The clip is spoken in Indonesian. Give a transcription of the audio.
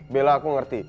bella aku ngerti